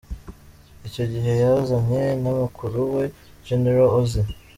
Icyo gihe yazanye na mukuru we General Ozzy.